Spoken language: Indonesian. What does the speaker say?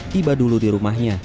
tiba dulu di rumahnya